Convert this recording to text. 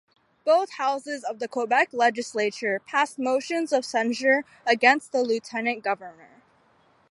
Both houses of the Quebec legislature passed motions of censure against the lieutenant-governor.